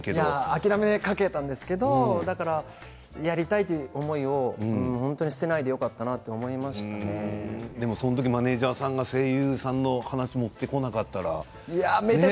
諦めかけたんですけれどもやりたいという思いを捨てないでその時マネージャーさんが声優さんの話を持ってこなかったら。